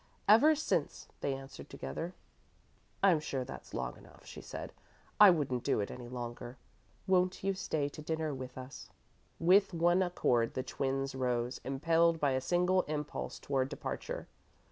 "Ever since," they answered, together. "I'm sure that's long enough," she said. "I wouldn't do it any longer. Won't you stay to dinner with us?" With one accord the twins rose, impelled by a single impulse toward departure.